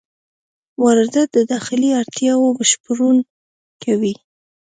واردات د داخلي اړتیاوو بشپړونه کوي.